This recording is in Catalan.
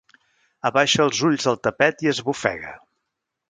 Abaixa els ulls al tapet i esbufega.